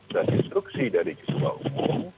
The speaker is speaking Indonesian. dan instruksi dari ketua umum